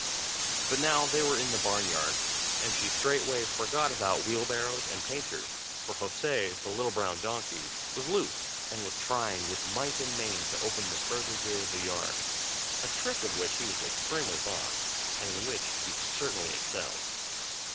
But now they were in the barn yard, and she straightway forgot about wheel barrows and painters, for José, the little brown donkey, was loose, and was trying with might and main to open the further gate of the yard, a trick of which he was extremely fond, and in which he certainly excelled.